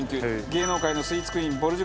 芸能界のスイーツクイーンぼる